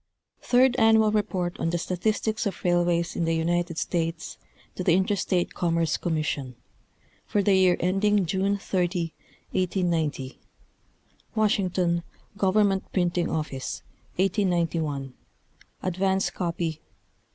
G. Third Annual Report on the Statistics of Railways in the United States to the Interstate Commerce Commission, for the year ending Jane 30, 1890: Washington, Government Printing Office, 1891 (advance copy, pp.